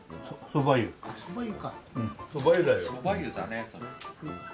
そば湯だねそれ。